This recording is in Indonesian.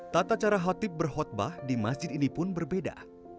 tata cara khotib berkhutbah di masjid ini pun berbeda